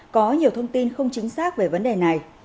có nhiều thông tin không chính xác về vấn đề này